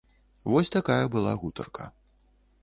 Вось такая была гутарка.